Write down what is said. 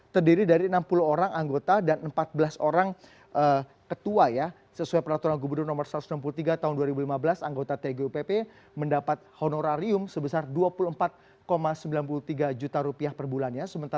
terdiri dari enam puluh orang anggota dan empat belas orang ketua ya sesuai peraturan gubernur no satu ratus enam puluh tiga tahun dua ribu lima belas anggota tgupp mendapat honorarium sebesar dua puluh empat sembilan puluh tiga juta rupiah per bulannya